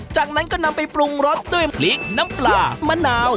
จากนั้นก็นำไปปรุงรสด้วยพริกน้ำปลามะนาว